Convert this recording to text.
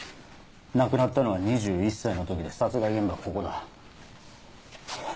亡くなったのは２１歳の時で殺害現場はここだ。